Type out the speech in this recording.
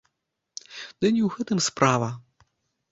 Ды не ў гэтым справа.